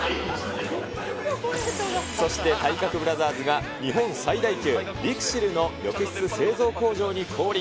そして体格ブラザーズが、日本最大級、ＬＩＸＩＬの浴室製造工場に降臨。